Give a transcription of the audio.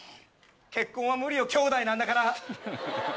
結婚は無理よきょうだいなんだから。